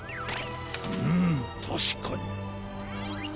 うむたしかに。